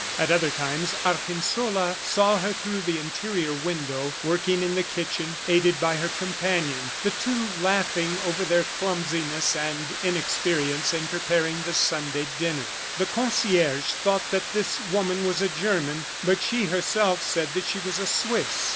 At other times Argensola saw her through the interior window working in the kitchen aided by her companion, the two laughing over their clumsiness and inexperience in preparing the Sunday dinner. The concierge thought that this woman was a German, but she herself said that she was Swiss.